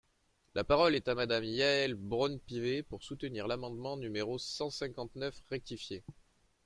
La parole est à Madame Yaël Braun-Pivet, pour soutenir l’amendement numéro cent cinquante-neuf rectifié.